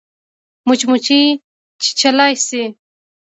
مچمچۍ چیچلای شي